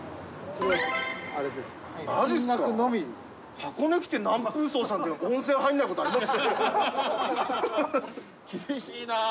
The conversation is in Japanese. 箱根来て南風荘さんで温泉入んないことあります？